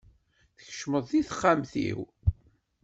Kecmet deg texxamt-iw.